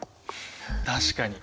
確かに。